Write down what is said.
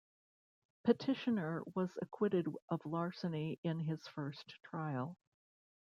Petitioner was acquitted of larceny in his first trial.